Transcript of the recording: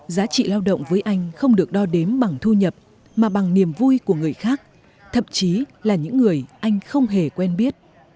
giá trị lao động với anh không được đo đếm bằng thu nhập mà bằng niềm vui của người khác thậm chí là những người anh không hề quen biết